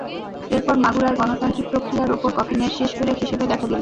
এরপর মাগুরায় গণতান্ত্রিক প্রক্রিয়ার ওপর কফিনের শেষ পেরেক হিসেবে দেখা দিল।